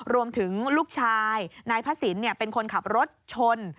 ลูกชายนายพระศิลป์เป็นคนขับรถชน